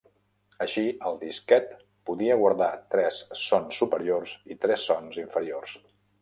Així el disquet podia guardar tres sons "superiors" i tres sons "inferiors".